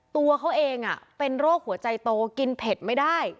ตัวเขาเองเป็นโรคหัวใจโตกินเผ็ดไม่ได้